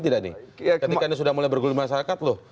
ini ketika ini sudah mulai bergulung masyarakat loh